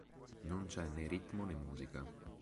Non c'è né ritmo né musica.